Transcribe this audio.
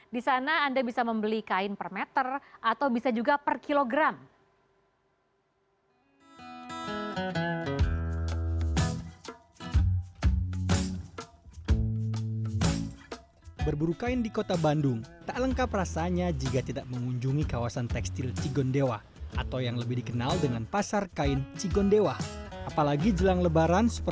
di sana anda bisa membeli kain per meter atau bisa juga per kilogram